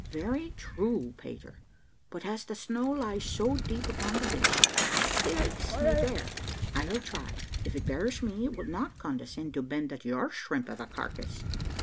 "Very true, Peter; but as the snow lies so deep upon the ditch, perhaps the ice may bear. I'll try; if it bears me, it will not condescend to bend at your shrimp of carcass."